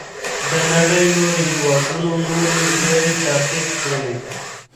د نړۍ نورو هېوادونو نورې لارې تعقیب کړې.